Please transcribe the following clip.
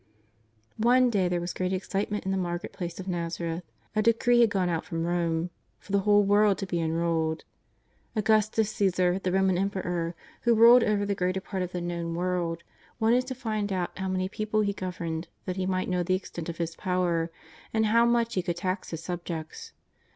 One day there was great excitement in the market place of aSTazareth. A decree had gone out from Kome ( for the whole world to be enrolled. Augustus Caesar, the Roman Emperor, who ruled over the greater part of the known world, wanted to find out how many people he governed that he might know the extent of his power, and how much he could tax his subjects.